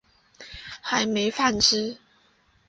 还没吃饭